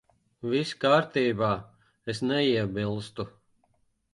Viss kārtībā. Es neiebilstu.